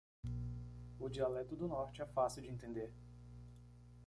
O dialeto do norte é fácil de entender.